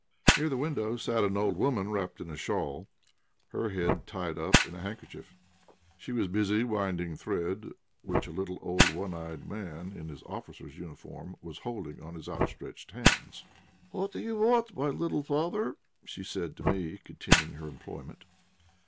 Near the window sat an old woman wrapped in a shawl, her head tied up in a handkerchief. She was busy winding thread, which a little, old, one eyed man in an officer's uniform was holding on his outstretched hands. "What do you want, my little father?" she said to me, continuing her employment.